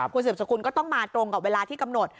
คุณสืบสกุลก็ต้องมาตรงกับเวลาที่กำหนด